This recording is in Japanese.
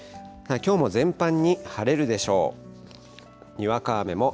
きょうも全般に晴れるでしょう。